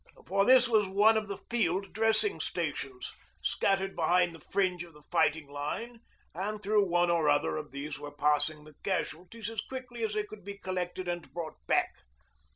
For this was one of the field dressing stations scattered behind the fringe of the fighting line, and through one or other of these were passing the casualties as quickly as they could be collected and brought back.